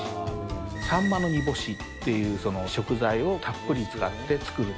サンマの煮干しっていう食材をたっぷり使って作ると。